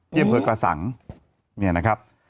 เยี่ยมเผยกระสั่งเนี่ยนะครับ